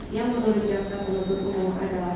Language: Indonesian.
yang menurut jaksa penuntut umum adalah